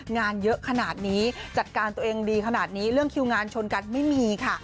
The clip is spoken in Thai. งานเยอะขนาดนี้จัดการตัวเองดีขนาดนี้เรื่องคิวงานชนกันไม่มีค่ะ